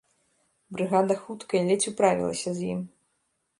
Брыгада хуткай ледзь управілася з ім.